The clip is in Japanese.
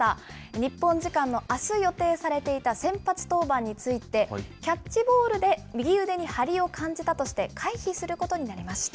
日本時間のあす予定されていた先発登板について、キャッチボールで右腕に張りを感じたとして回避することになりました。